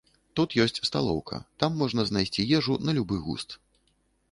Тут ёсць сталоўка, там можна знайсці ежу на любы густ.